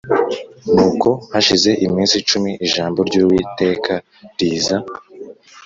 Nuko hashize iminsi cumi ijambo ry Uwiteka riza